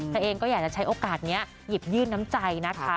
เธอเองก็อยากจะใช้โอกาสนี้หยิบยื่นน้ำใจนะคะ